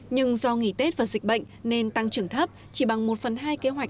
nhưng do nghỉ tết và dịch bệnh nên tăng trưởng thấp chỉ bằng một phần hai kế hoạch